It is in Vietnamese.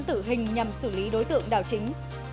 tử hình nhằm xử lý đối tượng đảo chính